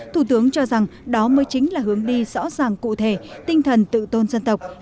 thủ tướng cho rằng đó mới chính là hướng đi rõ ràng cụ thể tinh thần tự tôn dân tộc